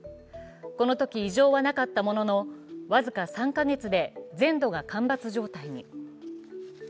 このとき異常はなかったものの僅か３か月で全土が干ばつ状態に。